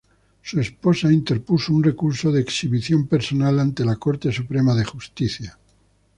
Su esposa interpuso un recurso de exhibición personal ante la Corte Suprema de Justicia.